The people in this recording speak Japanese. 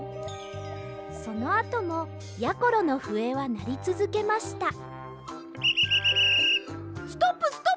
そのあともやころのふえはなりつづけましたピピピピピッ！